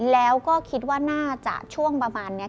แล้วก็คิดว่าน่าจะช่วงประมาณนี้